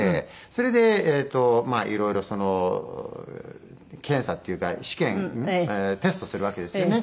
それでいろいろ検査っていうか試験テストするわけですよね。